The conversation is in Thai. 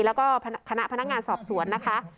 แล้วก็คณะพนักงานสอบสวนนะคะ